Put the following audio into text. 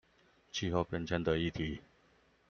氣候變遷的議題